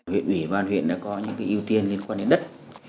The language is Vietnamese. huyện bùi văn huyện có những ưu tiên liên quan đến đất